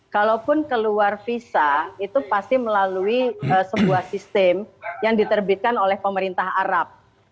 kalaupun keluar visa itu pasti melalui sebuah sistem yang diterbitkan oleh pemerintah arab